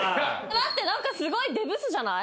待って何かすごいデブスじゃない？